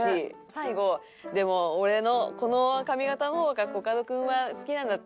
最後「でも俺のこの髪型の方がコカド君は好きなんだって」。